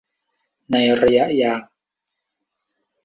ในระยะยาว